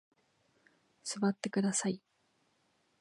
座ってください。